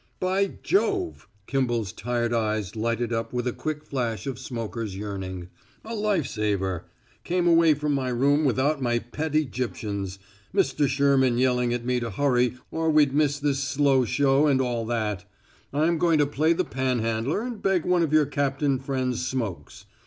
"By Jove!" Kimball's tired eyes lighted up with a quick flash of smoker's yearning. "A life saver! Came away from my room without my pet Egyptians Mr. Sherman yelling at me to hurry or we'd miss this slow show and all that. I'm going to play the panhandler and beg one of your captain friend's smokes.